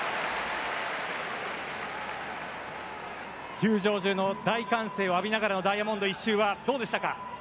球場中の大歓声を浴びながらのダイヤモンド１周どうでしたか？